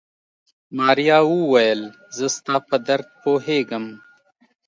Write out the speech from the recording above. ماريا وويل زه ستا په درد پوهېږم.